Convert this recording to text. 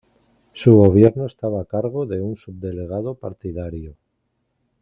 Su gobierno estaba a cargo de un subdelegado partidario.